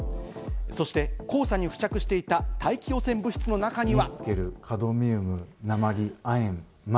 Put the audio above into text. そして黄砂に付着していた大気汚染物質の中には。